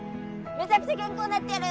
めちゃくちゃ健康になってやる！